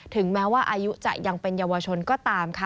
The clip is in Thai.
ถึงแม้ว่าอายุจะยังเป็นเยาวชนก็ตามค่ะ